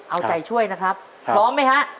เอาใจช่วยนะครับพร้อมไหมฮะ